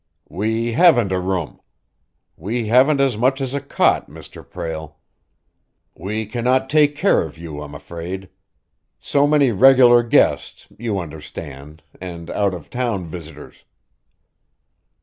"We haven't a room. We haven't as much as a cot, Mr. Prale. We cannot take care of you, I'm afraid. So many regular guests, you understand, and out of town visitors."